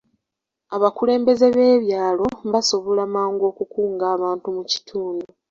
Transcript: Abakulembeze b'ebyalo basobola mangu okukunga abantu mu kitundu.